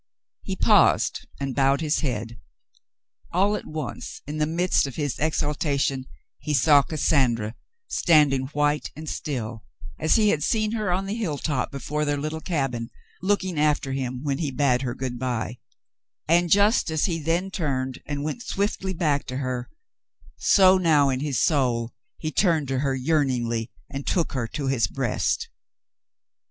He paused and bowed his head. All at once in the midst of his exaltation, he saw Cassandra standing white and still, as he had seen her on the hilltop before their little cabin, looking after him when he bade her good by ; and just as he then turned and went swiftly back to her, so now in his soul he turned to her yearningly and took her to his breast.